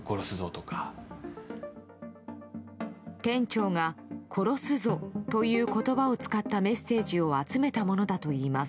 店長が「殺すぞ」という言葉を使ったメッセージを集めたものだといいます。